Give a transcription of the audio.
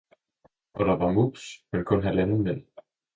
og der var Muus, men kun halvanden Mand.